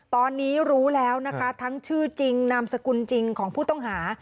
ตอนนี้รู้แล้วนะคะทั้งชื่อจริงนามสกุลจริงของผู้ต้องหา